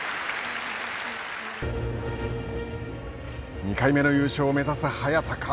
２回目の優勝を目指す早田か。